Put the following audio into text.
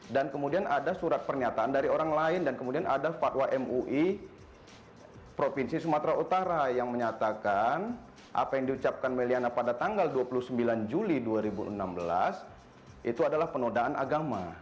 dan kemudian ada surat pernyataan dari orang lain dan kemudian ada fatwa mui provinsi sumatera utara yang menyatakan apa yang diucapkan may liana pada tanggal dua puluh sembilan juli dua ribu enam belas itu adalah penodaan agama